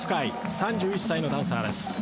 ３１歳のダンサーです。